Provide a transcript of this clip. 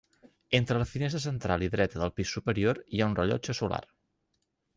Entre la finestra central i dreta del pis superior hi ha un rellotge solar.